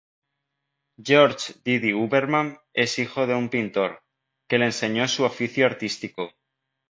Georges Didi-Huberman es hijo de un pintor, que le enseñó su oficio artístico.